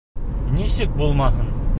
Нисек булмаһын?